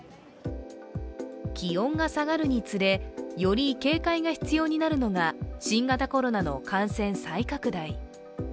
気温が下がるにつれより警戒が必要になるのが新型コロナの感染再拡大。